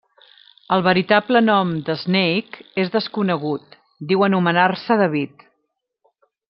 El veritable nom de Snake és desconegut, diu anomenar-se David.